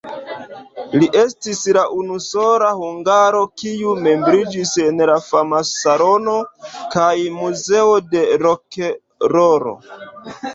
Li estis la unusola hungaro, kiu membriĝis en Fam-Salono kaj Muzeo de Rokenrolo.